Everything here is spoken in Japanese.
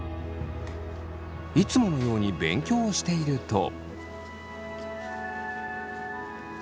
いつものように勉強をしていると。